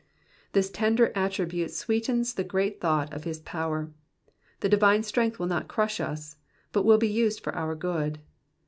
''^ This tender attribute sweetens the grand thought of his power : the divine strength will not crush us, but will be used for our good.